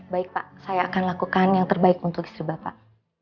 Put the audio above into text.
baik pak saya akan lakukan yang terbaik untuk istri bapak